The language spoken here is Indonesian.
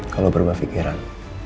kalau berubah pikiran